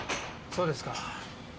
そうですか。